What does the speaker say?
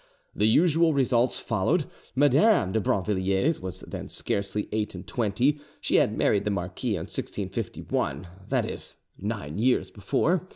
The usual results followed. Madame de Brinvilliers was then scarcely eight and twenty: she had married the marquis in 1651 that is, nine years before.